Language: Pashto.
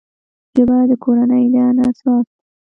ژبه د کورنۍ د انس راز دی